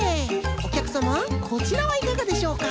おきゃくさまこちらはいかがでしょうか？